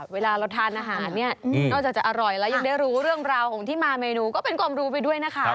เวลาเราทานอาหารเนี่ยนอกจากจะอร่อยแล้วยังได้รู้เรื่องราวของที่มาเมนูก็เป็นความรู้ไปด้วยนะคะ